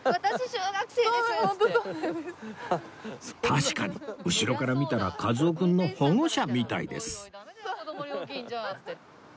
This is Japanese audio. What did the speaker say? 確かに後ろから見たら和夫君の保護者みたいです